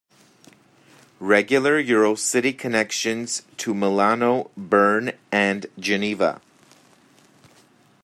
Regular Eurocity connections to Milano, Berne and Geneva.